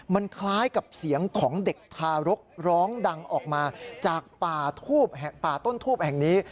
มันคล้ายกับเสียงของเด็กทารกร้องดังออกมาจากป่าต้นทูบแห่งนี้